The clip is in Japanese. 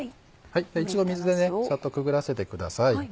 一応水でサッとくぐらせてください。